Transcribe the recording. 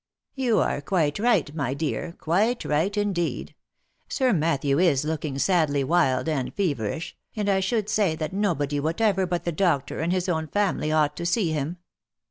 " You are quite right, my dear, quite right, indeed — Sir Matthew is looking sadly wild and feverish, and I should say that nobody what ever but the doctor and his own family ought to see him.